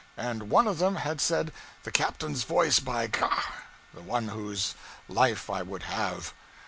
And one of them had said, 'the captain's voice, by G !' the one whose life I would have.